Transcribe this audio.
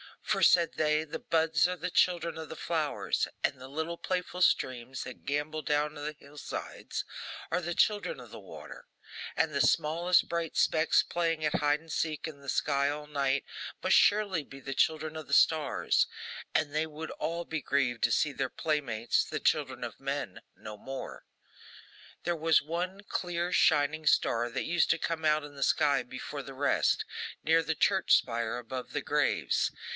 For, said they, the buds are the children of the flowers, and the little playful streams that gambol down the hill sides are the children of the water; and the smallest bright specks playing at hide and seek in the sky all night, must surely be the children of the stars; and they would all be grieved to see their playmates, the children of men, no more. There was one clear shining star that used to come out in the sky before the rest, near the church spire, above the graves.